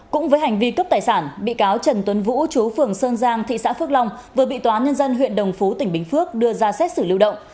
cũng với hành vi cướp tài sản bị cáo trần tuấn vũ chú phường sơn giang thị xã phước long vừa bị tòa nhân dân huyện đồng phú tỉnh bình phước đưa ra xét xử lưu động